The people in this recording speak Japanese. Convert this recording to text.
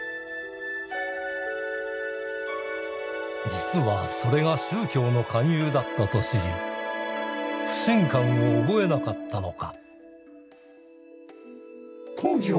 実はそれが宗教の勧誘だったと知り不信感を覚えなかったのか？